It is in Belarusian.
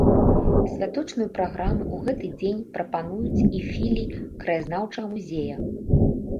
Святочную праграму ў гэты дзень прапануюць і філіі краязнаўчага музея.